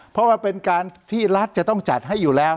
เพราะว่าเป็นการที่รัฐจะต้องจัดให้อยู่แล้ว